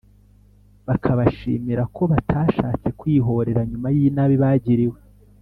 bakabashimira ko batashatse kwihorera nyuma y’inabi bagiriwe,